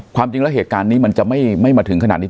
ความจริงแล้วเหตุการณ์นี้มันจะไม่มาถึงขนาดนี้